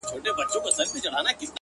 پرېږده چي نور په سره ناسور بدل سي ـ